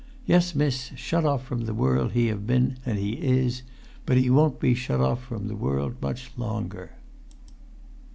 Yes, miss, shut off from the world he have been and he is; but he won't be shut off from the world much longer!"